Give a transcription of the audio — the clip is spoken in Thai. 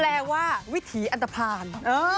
แปลว่าวิถีอันตภัณฑ์